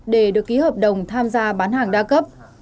để được ký hợp đồng tham gia bán hàng đa cấp